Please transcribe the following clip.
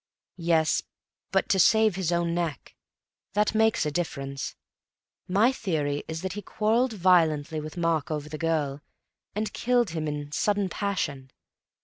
"Yes, but to save his own neck. That makes a difference. My theory is that he quarrelled violently with Mark over the girl, and killed him in sudden passion.